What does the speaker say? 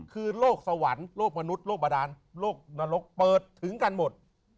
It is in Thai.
คือโรคสวรรค์โลกมนุษย์บาดานโลกนรกเปิดถึงกันหมด